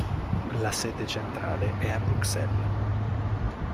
La sede centrale è a Bruxelles.